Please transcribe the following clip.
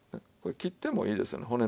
これ切ってもいいですよね。